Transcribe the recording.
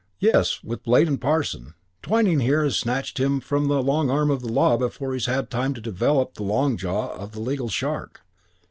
"Yes, with Blade and Parson. Twyning here has snatched him from the long arm of the law before he has had time to develop the long jaw of the legal shark.